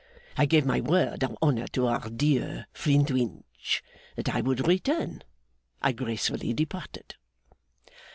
I gave my word of honour to our dear Flintwinch that I would return. I gracefully departed.